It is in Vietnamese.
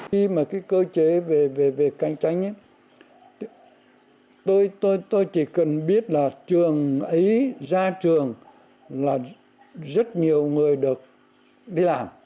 khi mà cái cơ chế về cạnh tranh tôi chỉ cần biết là trường ấy ra trường là rất nhiều người được đi làm